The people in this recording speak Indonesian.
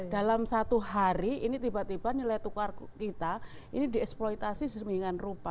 dalam satu hari ini tiba tiba nilai tukar kita ini di eksploitasi semingguan rupa